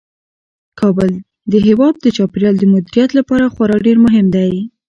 کابل د هیواد د چاپیریال د مدیریت لپاره خورا ډیر مهم دی.